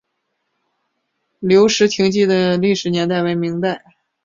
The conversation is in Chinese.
留石亭记的历史年代为明代。